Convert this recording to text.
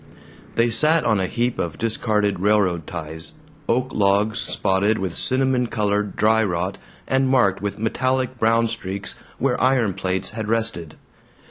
They sat on a heap of discarded railroad ties, oak logs spotted with cinnamon colored dry rot and marked with metallic brown streaks where iron plates had rested.